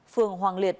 phường hoàng liệt